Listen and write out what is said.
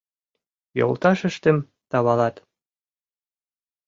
Йолташыштым тавалат.